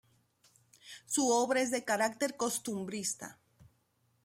Su obra es de carácter costumbrista.